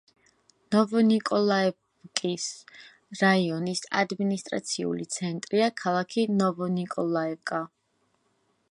ნოვონიკოლაევკის რაიონის ადმინისტრაციული ცენტრია ქალაქი ნოვონიკოლაევკა.